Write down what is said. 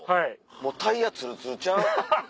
もうタイヤつるつるちゃう？